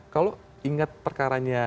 kalau ingat perkaranya